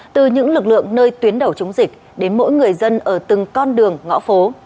từ những lực lượng nơi tuyến đầu chống dịch đến mỗi người dân ở từng con đường ngõ phố